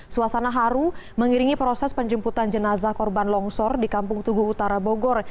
suasana haru mengiringi proses penjemputan jenazah korban longsor di kampung tugu utara bogor